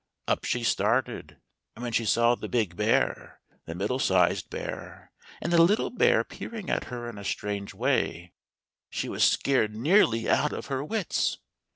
Up she started, and when she saw the big bear, the mid dle sized bear, and the little bear peering at her in a strange way, she was scared nearly out of her wits.